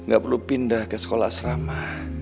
gak perlu pindah ke sekolah asrama